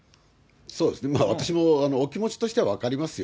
そうですね、私もお気持ちとしては分かりますよ。